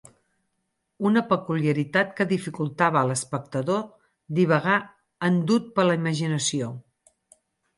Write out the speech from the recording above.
Una peculiaritat que dificultava a l'espectador divagar endut per la imaginació.